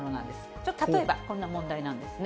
ちょっと例えばこんな問題なんですね。